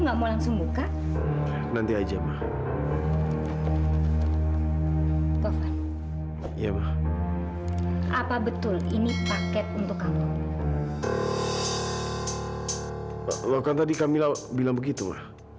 loh kan tadi kamila bilang begitu ma